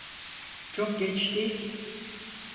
Çok geç değil.